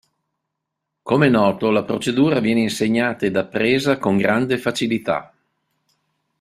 Come è noto la procedura viene insegnata ed appresa con grande facilità.